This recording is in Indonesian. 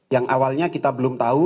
yang awalnya kita belum tahu